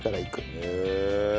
へえ！